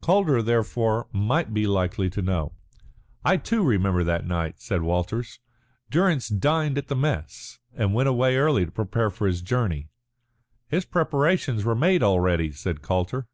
Calder, therefore, might be likely to know. "I too remember that night," said Walters. "Durrance dined at the mess and went away early to prepare for his journey." "His preparations were made already," said Calder.